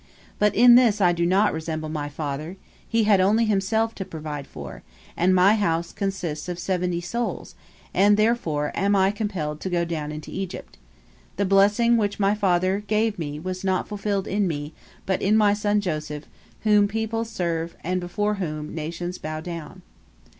But in this I do not resemble my father, he had only himself to provide for, and my house consists of seventy souls, and therefore am I compelled to go down into Egypt. The blessing which my father gave me was not fulfilled in me, but in my son Joseph, whom peoples serve, and before whom nations bow down."